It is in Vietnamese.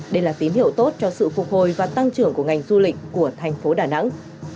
đây là tín hiệu tốt cho sự phục hồi và tăng trưởng của ngành du lịch của thành phố đà nẵng